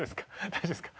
大丈夫ですか？